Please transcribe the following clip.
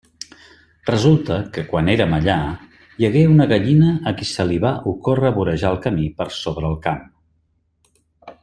Resulta que, quan érem allà, hi hagué una gallina a qui se li va ocórrer vorejar el camí per sobre el camp.